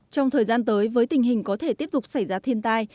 trong thời gian tới với tình hình có thể tiếp tục xảy ra thiên tai